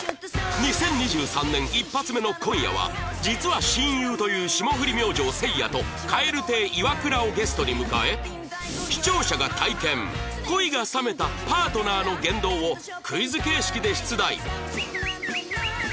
２０２３年一発目の今夜は実は親友という霜降り明星せいやと蛙亭イワクラをゲストに迎え視聴者が体験恋が冷めたパートナーの言動をクイズ形式で出題